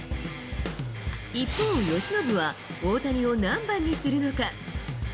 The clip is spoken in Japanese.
一方、由伸は大谷を何番にするのか。